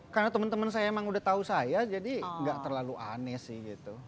karena temen temen saya emang udah tau saya jadi gak terlalu aneh sih gitu